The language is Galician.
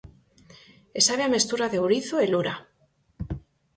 E sabe a mestura de ourizo e lura.